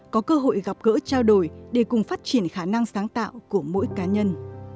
có cơ hội gặp gỡ trao đổi để cùng phát triển khả năng sáng tạo của mỗi cá nhân